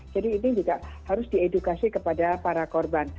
jadi ini juga harus diedukasi kepada para korban